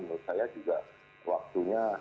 menurut saya juga waktunya